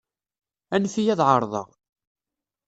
Anef-iyi ad ɛerḍeɣ.